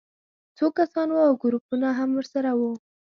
څو کسان وو او ګروپونه هم ورسره وو